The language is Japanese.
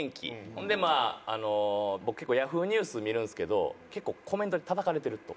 ほんでまあ僕結構Ｙａｈｏｏ！ニュース見るんですけど結構コメントでたたかれてると。